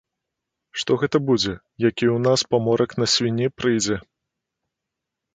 Што гэта будзе, як і ў нас паморак на свінні прыйдзе.